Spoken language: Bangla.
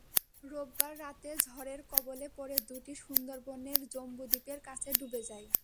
রোববার রাতে ঝড়ের কবলে পড়ে দুটি সুন্দরবনের জম্বুদ্বীপের কাছে ডুবে যায়।